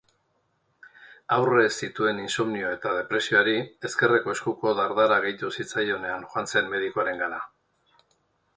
Aurrez zituen insomnioa eta depresioari ezkerreko eskuko dardara gehitu zitzaionean joan zen medikuarengana.